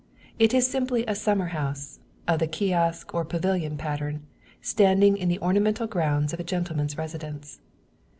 It is simply a summer house, of the kiosk or pavilion pattern, standing in the ornamental grounds of a gentleman's residence.